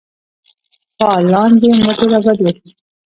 فعالان دي مټې رابډ وهي.